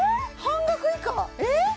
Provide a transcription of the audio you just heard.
半額以下ええっ！？